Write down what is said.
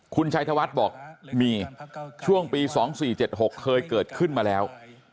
คุณชัยธวัฒน์บอกมีช่วงปี๒๔๗๖เคยเกิดขึ้นมาแล้ว